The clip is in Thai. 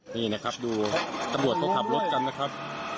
นี่นะครับดูตำรวจเขาขับรถกันนะครับ